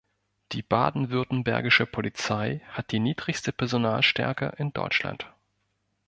Die baden-württembergische Polizei hat die niedrigste Personalstärke in Deutschland.